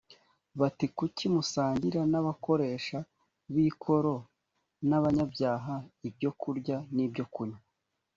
bati “kuki musangira n’abakoresha b’ikoro n’abanyabyaha ibyokurya n’ibyo kunywa?”